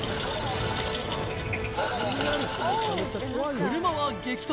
車は激突